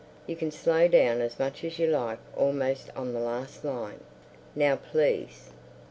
You can slow down as much as you like almost on the last line. Now, please."